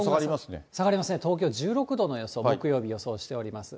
下がりますね、東京１６度の予想、木曜日、予想しております。